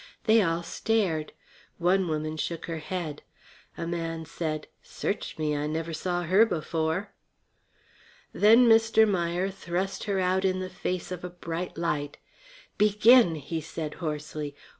They all stared. One woman shook her head. A man said: "Search me! I never saw her before." Then Mr. Meier thrust her out in the face of a bright light. "Begin," he said hoarsely.